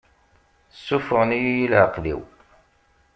Ssufɣen-iyi i leεqel-iw.